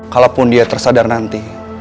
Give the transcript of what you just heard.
kalaupun dia tersadar nanti